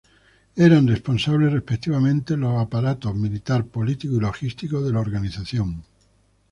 Eran responsables, respectivamente, de los aparatos militar, político y logístico de la organización.